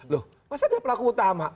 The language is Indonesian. loh masa dia pelaku utama